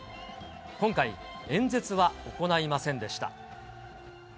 今回、演説は行いませんでした。